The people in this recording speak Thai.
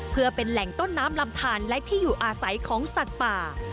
เพื่อเป็นแหล่งต้นน้ำลำทานและที่อยู่อาศัยของสัตว์ป่า